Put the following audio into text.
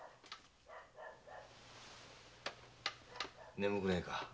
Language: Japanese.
眠くねえか？